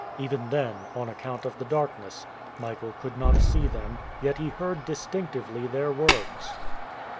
Even then, on account of the darkness, Michael could not see them, yet he heard distinctly their words.